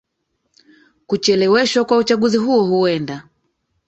kucheleweshwa kwa uchaguzi huo huenda